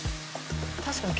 確かに。